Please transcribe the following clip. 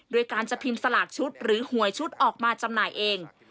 โดยการจะพิมพ์สลากชุดหรือหวยชุดออกมาจำหน่ายเอง